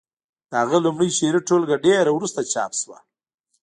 د هغه لومړۍ شعري ټولګه ډېره وروسته چاپ شوه